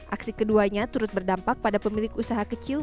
aksi keduanya turut berdampak pada pemilik usaha kecil